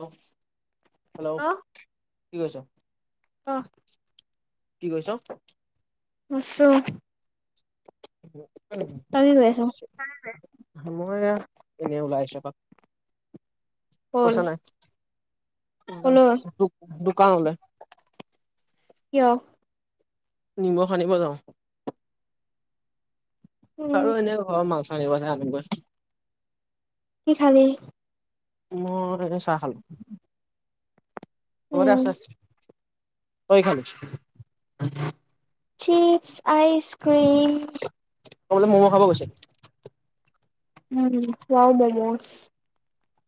Hello hello কি কৰিছা? অঁ। কি কৈছ? আছো। উম। তই কি কৰি আছ? মই এনে ওলাই আইছো এপাক, ক'ল পইচা নাই। ক'লৈ দোকানলৈ। কিয়? নিমখ খানিব যাওঁ। উম, আৰু এনেই ঘৰ মাল ছাল আনিব আছে আনোগৈ। কি খালি? মই চাহ খালো। আব উম, আছে আ ঐখাল [unintelligible] চিপ্ছ আইচক্ৰীম। অকৌ বোলে ম'মো খাব গৈছ। উম চও মমোজ [unintelligible]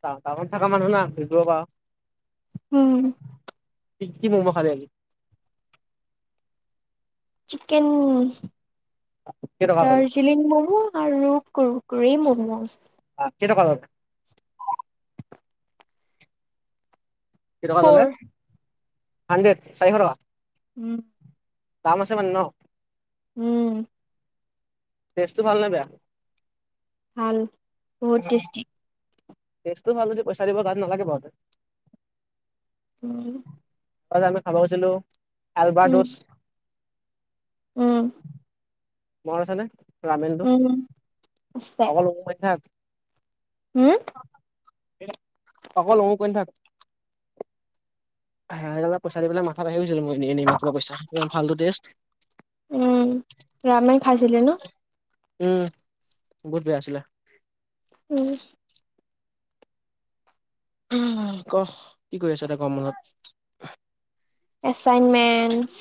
ত ত থাককা মানুহ নজ প [unintelligible] উম। কি ম'ম খালে আজি। চিকেন। কেইটকা ল'লে চিলিন ম'ম' আৰু ককৰি ম'ম'। অ' কেইটকা ললে। কেইটকা ফ'ৰ ললে হাণ্ড্ৰেড চাৰিশ টকা। উম। দাম আছে মানে নহ। উম। টষ্টো ভাল নে বেয়া হাল বহুত টেষ্টি টেষ্টো ভাল যদি পইচা দিব তাত নালাগে বাৰু আৰু ত আমি খাব গৈছিলো উম, এলবাৰ্টোচ উম মৰ আছে নে ৰামনটো উম, [unintelligible] হম অকল অ মোক ক নথাকে পইচা পেলাই মাথা ভ আহি গৈছিলো মই এনেই পইচা ভাল টেষ্ট ৰামায়ণ খাইছিলে ন উম বহত বিয়া আছিলা উম উম ক কি কৰি আছ এটা কমলত এচাইনমেন্টচ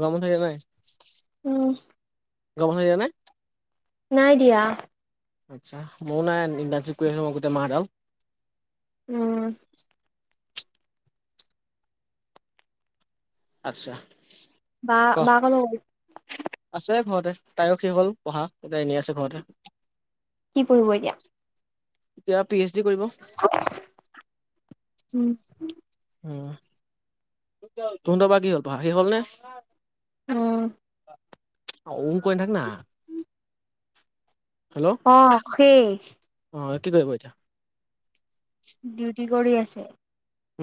গৰমত থাকে নাই উম [unintelligible] নাই দিয়া আচ্ছা মোৰ নাই নিন্দাঞ্চ ক মই গোতে মাডাল উম আচ্ছা বা ক বায়েক ৰ লগত গৈ আছে ঘৰতে তাইও সেই হ'ল পঢ়া এতিয়া এনে আছে ঘৰতে কি কৰিব এতিয়া এতিয়া পি এইচ ডি কৰিব উম উম তহতৰ বা কি হ'ল প সেই হল নে অ ও কৈ থাক না হেল্ল' অ শেষ অ কি কৰিব এতিয়া ডিউটি কৰি আছে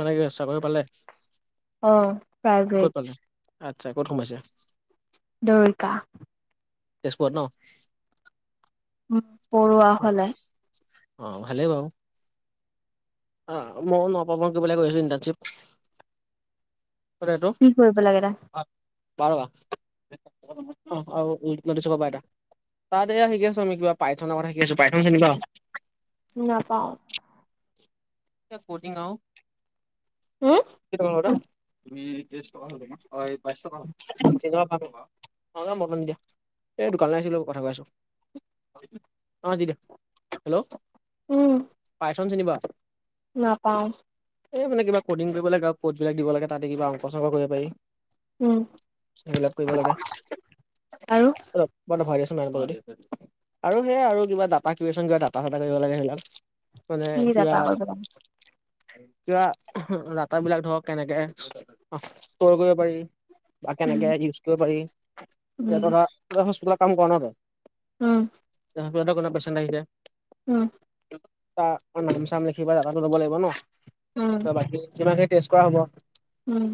মানে কি চাকৰি পালে। অ ক'ত প্ৰাইভেট পালে আচ্ছা কত সোমাইছা। দুৰ্গা তেজপুৰত ন উম পৰুৱা হলে অ ভালেই বাৰু অ মইও নাপাব মই কিব ক গৈছো ইণ্টাৰ্শিপ [unintelligible] কি কৰিব লাগে দে [unintelligible] তাত এয়া শিকি আছো আমি কিবা পাইথন কথা শিকি আছো। পাইথন চিনি পাৱ? নাপাওঁ? সে কটিং আও। হুম? কেই টকা হ'ল দাদা? তুমি তেইছ টকা হল, অ এই বাইশ টকা হ'ল। তিনি টকা পাম। অ মটন দিয়া। এই দোকানলৈ আহিছিলো, কথা কৈ আছো। অ দি দে। হেল্ল, উম, পাইথন চিনি পোৱা? নাপাওঁ। এই মানে কিবা ক'ডিং কৰিব লাগে আৰু কোড বিলাক দিব লাগে, তাতে কিবা অংক চংক কৰিব পাৰি। উম, সেইবিলাক কৰিব লাগে। আৰু? ভৰাই দিয়াচোন [unintelligible] আৰু সেয়া আৰু কিবা ডাটা কিবা ডাটা চটা কৰিব লাগে সেইবিলাক মানে কি কিবা, ডাটা কৰিব লাগে? কিবা ডাটা বিলাক ধৰক কেনেকে, ষ্টৰ কৰিব পাৰি। বা উম। কেনেকে ইউজ কৰিব পাৰি, এইয়া উম, ধৰা ত‌ই হস্পিতালত কাম কৰ ন ত‌ই? উম। কেনেকা ধৰণৰ পেছেণ্ট আহি যায়? উম। আ নাম চাম লিখিব ডাটা টো লব লাগিব ন! উম, বাকী কেনেকৈ টেষ্ট- কোৱা হব? উম।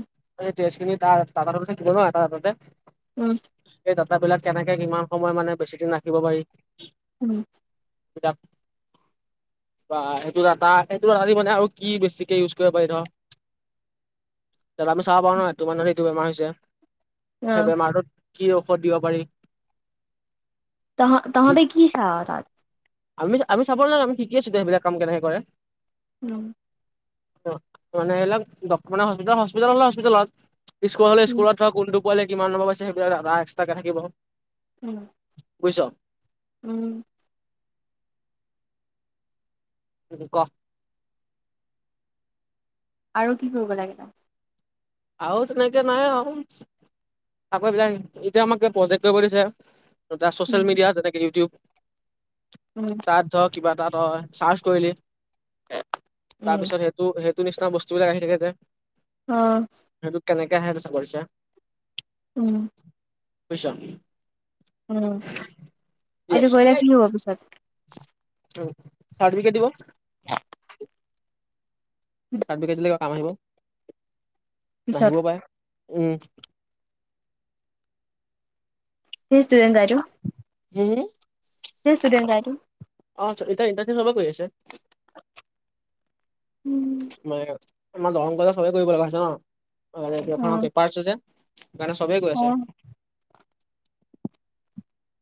তেজখিনি কাৰ তাৰ কিলো ন এতে এই উম, ত [unintelligible] ডাটা বিলাক কেনেকে কিমান সময় মানে বেছি দিন ৰাখিব পাৰি, উম। এা [unintelligible] বা এইটো ডাটা, সেইটো ডাটাদি মানে আৰু কি বেছিকে ইউজ কৰিব পাৰি ধৰ। তাৰ পৰা আমি চাব পাওঁ ন, এইটো মানুহৰ এইটো বেমাৰ হৈছে। সেই অ'। বেমাৰটোত কি ঔষধ দিব পাৰি। তহ তহঁতে কি চাৱ তাত? আমি আমি চাব নালাগে, আমি শিকি আছো সেইবিলাক কাম কেনেকে কৰে। অম [unintelligible] অ মানে এইবিলাক মানে ডক হস্পিতাল হস্পিতাল হলে হস্পিতালত, স্কুল হলে উম, স্কুলত। কোনটো পোৱালি কিমান নম্বৰ পাইছে সেইবিলাক ডাটা এক্সট্ৰা কে থাকিব। উম। বুইছ? উম। উম ক আৰু কি কৰিব লাগে তাত? আৰু তেনেকে নাই আৰু। আকৌ এইবিলাক, এতিয়া আমাক প্ৰজেক্ট কৰিব দিছে। তিয়া ছ'চিয়েল উম। মিডিয়া যেনেকে ইউটিউব, উম। তাৰপিছত কিবা এটা ত‌ই ছাৰ্চ কৰিলি, তাৰ উম, পিছত তো সেইটো নিচিনা বস্তু বিলাক আহি থাকে যে। অ। সেইটোক কেনেকে আহে চাব দিছে। উম। বুইছ উম। উ [inaudible] এইটো কৰিলে কি হ'ব পিছত চাৰ্টিফিকেট দিব। চাৰ্টিফিকেট লৈ কাম আহিব, পিছত নাহিবও পাৰে উম। [unintelligible] [inaudible] হিষ্টোৱে ডাইটো। হম [unintelligible] ধেৰ ষ্টুডেণ্ট যায় তো। অ চ এতিয়া ইণ্টাৰশ্বিপ হব কৈ আছে। উম [inaudible] ম একে আমাৰ দৰং কলেজত চবে কৰিব লগা হৈছে ন, [inaudible] অ পেপাৰ আছে যে। কাৰণে চবেই কৈ অ আছে।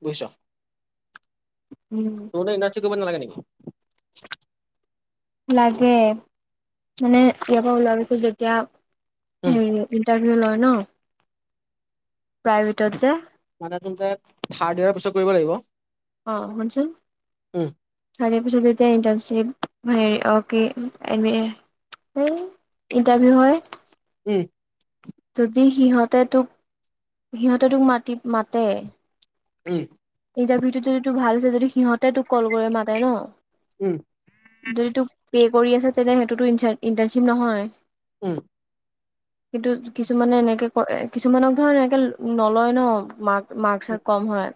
বুজিছ? উম। তো নে ইণ্টাৰশ্বিপ কৰিব নালাগে নেকি? লাগে মানে ইয়াৰপৰা ওলোৱাৰ পিছত যেতিয়া উম হেৰি ইন্টাৰভিউ লয় ন প্ৰাইভেটত যে মানে তুমি তাত থাৰ্ড ইয়েৰ পিছত কৰিব লাগিব? অঁ শুনচোন? উম, চাৰে পিছত তেতিয়া ইণ্টাৰনশ্বিপ হেৰি অকে এম বি এ সেই ইণ্টাৰভিউ হয়। উম। যদি সিহঁতে তোক সিহঁতে তোক মাতি মাতে উম। ইণ্টাৰভিউটো যদি তোৰ ভাল হৈছে যদি সিহঁতে তোক কল কৰি মাতে ন? উম। যদি তোক পে' কৰি আছে তেনে সেইটোতো ইঞ্চা ইন্টাৰ্ণশ্বিপ নহয়। উম। কিন্তু কিছুমানে এনেকে কৰে কিছুমানক ধৰ এনেকে নলয় ন মাক উম, মাৰ্কচে কম হয়।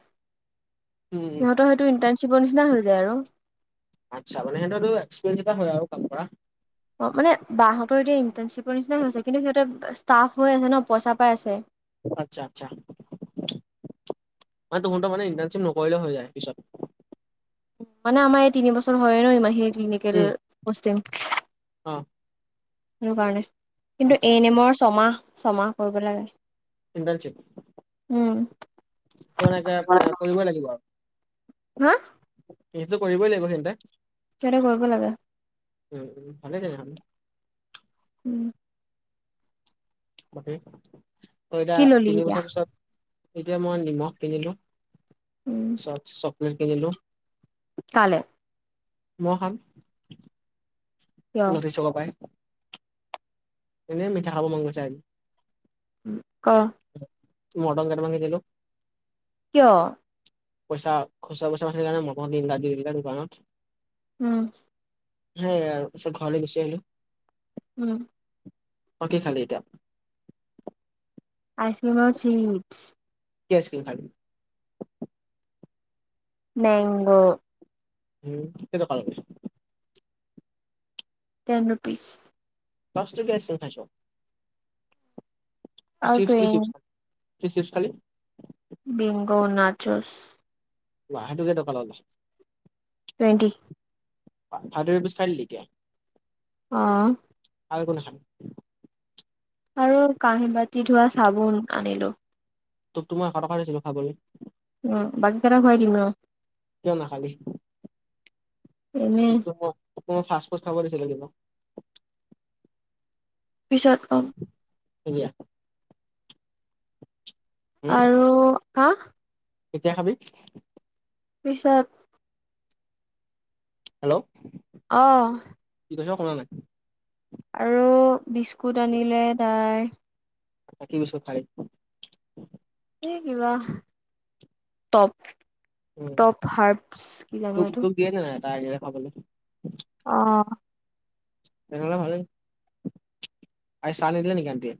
উম, উম। সিহঁৰ হয়টো ইণ্টাৰণশ্বিপৰ নিচিনা হৈ যায় আৰু। আচ্ছা মানে সেহতৰটো এক্সপেঞ্চ এটা হয় আৰু কাম কৰা অঁ মানে বাহঁতৰ এতিয়া ইণ্টাৰ্ণশ্বিপৰ নিচিনা হৈছে কিন্তু সিহঁতে ষ্টাফ হৈ আছে ন পইচা পাই আছে। আচ্ছা আচ্ছা, মানে তোমত মানে ইণ্টাৰশ্বিপ নকৰিলে হৈ যায় পিছত। মানে আমাৰ এই তিনি বছ তোৰ হয়ে ন ইমান সি ক্লিনিকেল উম, কষ্টিং অ', সেইটো কাৰণে। কিন্তু আচ্ছা এ এন আচ্ছা এমৰ ছমাহ - ছমাহ কৰিব লাগে। ইন্টাৰনশ্বিপ, উম ত মানে তাত আ কৰিবই লাগিব আৰু। হা! সেইটো কৰিবই লাগিব সিহতে? সেইটো কৰিব লাগে। উম উম ভালে যায় ভাল। ওম। বাকী? তই এতিয়া কি ললি তিনি এতিয়া বছৰ পিছত এতিয়া মই নিমখ কিনিলো। উম চ - চকলেট কিনিলো। কালে মই খাম কিয় নথি চকা পাই এনেই মিঠা খাব মন গৈছে আজি উম ক মটন কেইটা মান কিনিলো কিয় পইচা খুচৰা পইচা নাছিলে কাৰণে মতন তিনটা দি দিলে দোকানত উম সেইয়া আৰু পিছত ঘৰলে গুচি আহলো উম তই কি খালি এতিয়া আইচক্ৰিম আৰু চিপছ কি আছিল কালি মেংগ উম কেই টকা ললে টেন ৰুপিছ পাঁচ টকীয়া আইস্কিম খাইছ আৰু চিপছ কি টুৱেন চিপছ কি চিপছ খালি বিংগো নাচোচ বা সেইটো কেইটকা ললে টুৱেণ্টি [unintelligible] অ আৰু একো নাখালি আৰু কাঁহি বাতি ধোৱা চাবোন আনিলো তো তোমাক এশ টকা দিছিলো খাবলে অ বাকি কেইটকা ঘূৰাই দিম ৰ কিয় নাখালি? এনেই তোক ফাষ্টফুড খাব দিছিলো কিবা পিছত কম বৰিয়া আৰু আহ কেতিয়া খাবি পিছত হেল্ল অ কি কৈছ শুনা নাই আৰু বিস্কুট আনিলে তাই তাই কি বিস্কুট খাই এই কিবা টপ টপ হাৰ্পছ কি নাম এইটো দিয়া না এটা আজি খাবলৈ অ তেনেহলে ভালেই আজি চাহ নিদিলে নেকি আনটিয়ে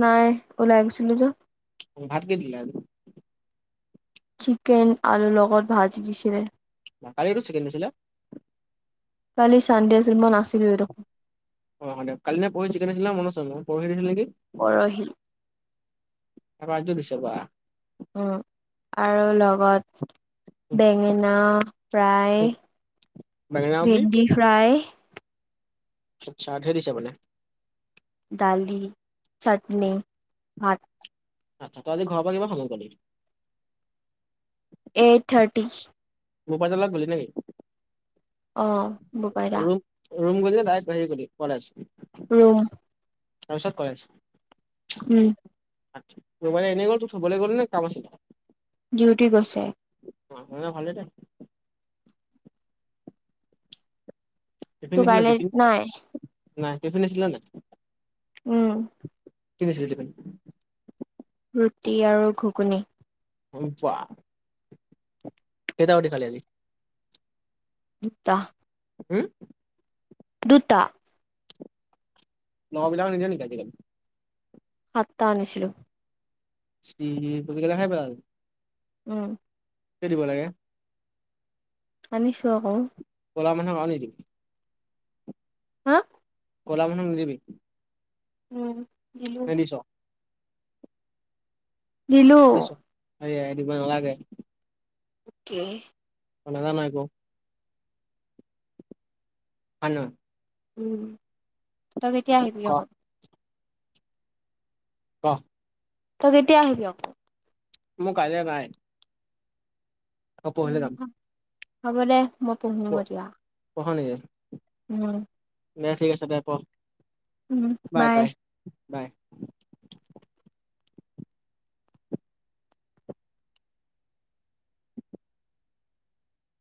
নাই ওলাই গৈছিলো যে ভাত কে দিলে আজি চিকেন আলু লগত ভাজি দিছিলে কালিয়োটো চিকেণ্ড দিছিলে কালি চানডে যে মই নাছিলোঁ এই অ হয় দে কালি নে পৰখি চিকেন হৈছিলে মন আছে মই পৰখি দিছিলে নেকি পৰশিল ৰাজ্য বিচৰবা অ আৰু লগত বেঙেনা প্ৰায় বেগেনাও ভেণ্ডি ফ্ৰাই চাইথ হৈ দিছে মানে দালি, চাটনি, ভাত আচ্ছা তই আজি ঘৰৰ পৰা কিমান সময় পালি এইট থাৰটি বপাইদা লগত গলি নেকি অঁ বপাই দা ৰুম ৰুম গলি নে ডাইৰেক্ট হেৰি গলি কলেজ ৰুম তাপিচত কলেজ উম বপাই এনে গল তোক থবলে গল নে কাম আছিল ডিউটি গৈছে অ হেনে ভালে দে টিফিন তো নছিলা কাইলৈ টিফিন নাই নাই টিফিন নিছিলা নাই? উম কি বিছিলি টিপি ৰুটি আৰু ঘুগুনি ওবা কেইটা ৰুটি খালি আজি দুটা হুম দুুটা লগৰ বিলাকক নিদিয় নেকি আজিকালি? সাতটা আনিছিলোঁ ইষ্টিৰি গোটেই কেইটা খাই পেলালা উম থৈ দিব লাগে আনিছোঁ আক ক'লা মানুহক আৰু নিদিম হা ক'লা মানুহক নিদিবি উম দিলোঁ নে দিছ? দিলো বুইছ হেৰী এৰাই দিব নেলাগে অকে অ নাজানা একো আনৈ [unintelligible] উম তই কেতিয়া আহিবি ক আকৌ ক তই কেতিয়া আহিবি আকৌ মোৰ কাজিয়া নাই আকৌ উম পৰহিলৈ যাম। হা হ'ব দে মই পঢ়ো গৈ এতিয়া পঢ়া নেকি উম দে ঠিক আছে দে পঢ় বাই বাই বাই